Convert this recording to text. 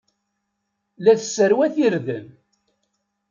La tesserwat irden.